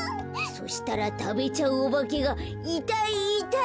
そしたらたべちゃうおばけが「いたいいたい！」